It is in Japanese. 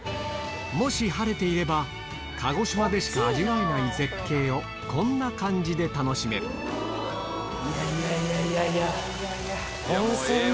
もし晴れていれば鹿児島でしか味わえない絶景をこんな感じで楽しめるいやいやいやいや。